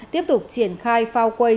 tiếp tục triển khai phao quay